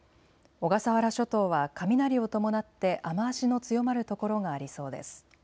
小笠原諸島は雷を伴って雨足の強まる所がありそうです。